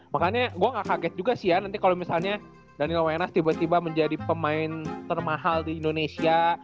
makanya gua nggak kaget juga sih ya nanti kalo misalnya daniel wainas tiba tiba menjadi pemain termahal di indonesia